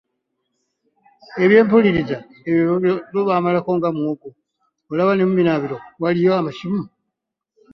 Ebyempuliziganya ebyo byo bamalako nga muwogo, olaba ne mu binaabiro waliyo amasimu.